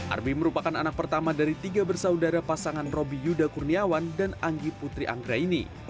arbi merupakan anak pertama dari tiga bersaudara pasangan robby yuda kurniawan dan anggi putri anggraini